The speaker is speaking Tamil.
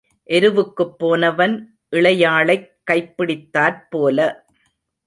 எருவுக்குப் போனவன் இளையாளைக் கைப்பிடித்தாற் போல.